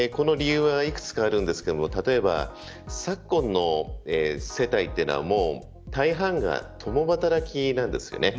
この理由は幾つかあるんですが例えば、昨今の世帯というのは大半が共働きなんですよね。